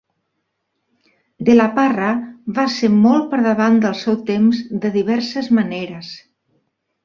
De la Parra va ser molt per davant del seu temps de diverses maneres.